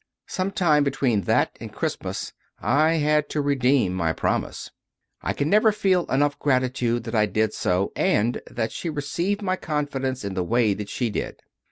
Sometime between that and Christmas I had to redeem my promise. I can never feel enough gratitude that I did so, and that she received my confidence in the way that she did.